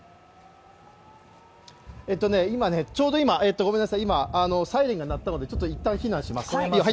今、ちょうど今、サイレンが鳴ったのでいったん避難します。